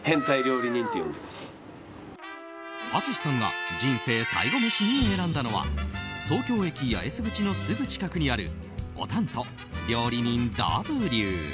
淳さんが人生最後メシに選んだのは東京駅八重洲口のすぐ近くにあるｏｔａｎｔｏ料理人・Ｗ。